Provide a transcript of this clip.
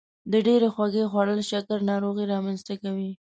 د ډیرې خوږې خوړل شکر ناروغي رامنځته کوي.